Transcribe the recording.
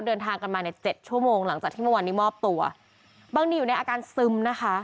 เดินทางกันมาในเจ็ดชั่วโมงหลังจากที่เมื่อวานนี้มอบตัวบังนีอยู่ในอาการซึมนะคะ